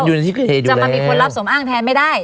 อยู่ในที่เกิดเหตุจะมามีคนรับสมอ้างแทนไม่ได้